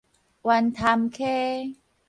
員潭溪